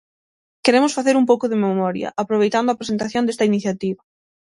Queremos facer un pouco de memoria, aproveitando a presentación desta iniciativa.